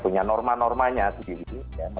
punya norma normanya sih